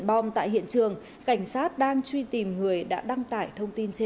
bom tại hiện trường cảnh sát đang truy tìm người đã đăng tải thông tin trên